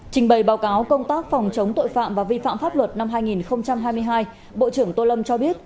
trình bày báo cáo công tác phòng chống tội phạm và vi phạm pháp luật năm hai nghìn hai mươi hai bộ trưởng tô lâm cho biết